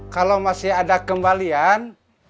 kalau masih ada kembalian